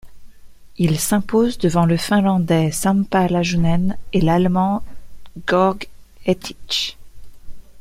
Il s'impose devant le Finlandais Samppa Lajunen et l'Allemand Georg Hettich.